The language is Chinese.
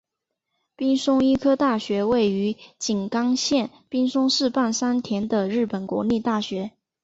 滨松医科大学位于静冈县滨松市半田山的日本国立大学。